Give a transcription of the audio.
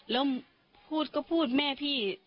แล้วพูดก็พูดแม่พี่